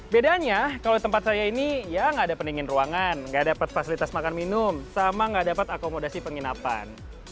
bedanya kalau tempat saya ini ya nggak ada pendingin ruangan nggak dapat fasilitas makan minum sama nggak dapat akomodasi penginapan